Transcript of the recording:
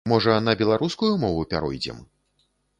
Можа, на беларускую мову пяройдзем?